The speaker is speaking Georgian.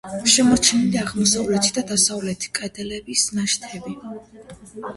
შემორჩენილია აღმოსავლეთი და დასავლეთი კედლების ნაშთები.